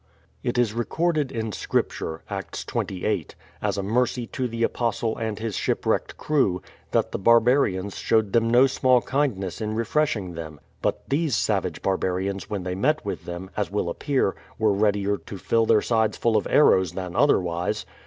It is recorded in scripture (Acts, xxviii) as a mercy to the apostle and his shipwrecked crew, that the barbarians showed them no small kindness in refreshing them; but these savage barbarians when they met with them (as will appear) were readier to fill their sides full of arrows than otherwise